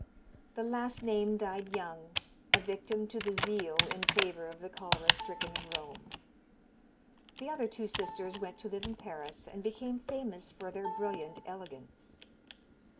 The last named died young, a victim to the zeal in favor of the cholera stricken of Rome. The other two sisters went to live in Paris, and became famous for their brilliant elegance.